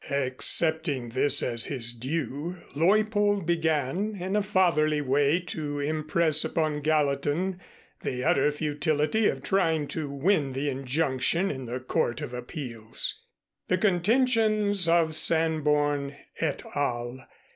Accepting this as his due, Leuppold began in a fatherly way to impress upon Gallatin the utter futility of trying to win the injunction in the Court of Appeals. The contentions of Sanborn _et al.